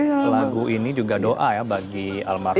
lagu ini juga doa ya bagi almarhum